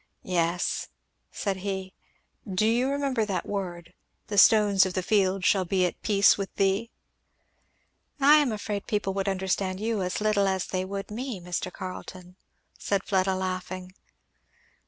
"Yes," said he, "do you remember that word 'The stones of the field shall be at peace with thee'?" "I am afraid people would understand you as little as they would me, Mr. Carleton," said Fleda laughing.